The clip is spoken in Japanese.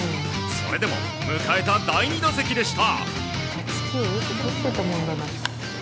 それでも迎えた第２打席でした。